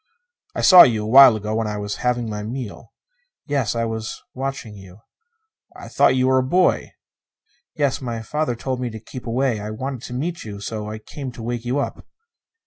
"I saw you a while ago, when I was having my meal." "Yes I was watching you." "I thought you were a boy." "Yes. My father told me to keep away. I wanted to meet you, so I came to wake you up."